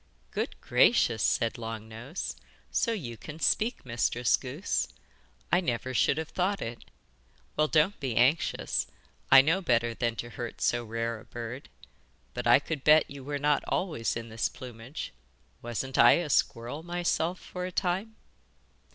'Good gracious!' said Long Nose. 'So you can speak, Mistress Goose. I never should have thought it! Well, don't be anxious. I know better than to hurt so rare a bird. But I could bet you were not always in this plumage wasn't I a squirrel myself for a time?